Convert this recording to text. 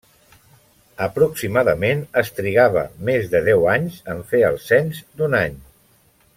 Aproximadament es trigava més de deu anys en fer el cens d’un any.